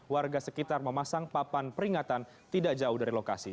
warga sekitar memasang papan peringatan tidak jauh dari lokasi